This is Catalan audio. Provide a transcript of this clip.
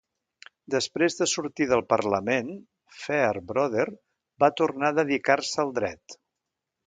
Després de sortir del Parlament, Fairbrother va tornar a dedicar-se al dret.